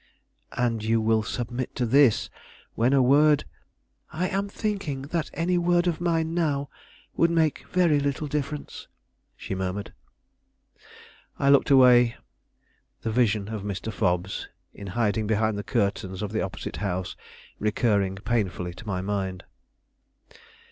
"And you will submit to this, when a word " "I am thinking that any word of mine now would make very little difference," she murmured. I looked away, the vision of Mr. Fobbs, in hiding behind the curtains of the opposite house, recurring painfully to my mind.